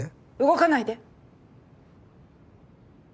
動かないで！